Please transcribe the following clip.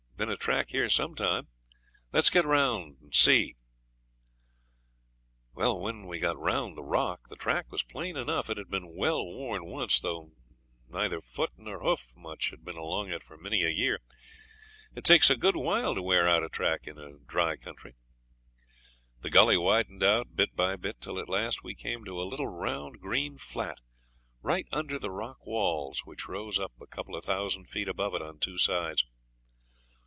Been a track here some time. Let's get round and see.' When we got round the rock the track was plain again; it had been well worn once, though neither foot nor hoof much had been along it for many a year. It takes a good while to wear out a track in a dry country. The gully widened out bit by bit, till at last we came to a little round green flat, right under the rock walls which rose up a couple of thousand feet above it on two sides.